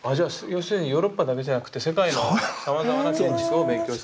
要するにヨーロッパだけじゃなくて世界のさまざまな建築を勉強していた。